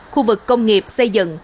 khu vực công nghiệp xây dựng